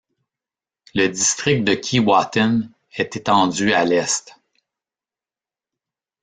Le District de Keewatin est étendu à l'est.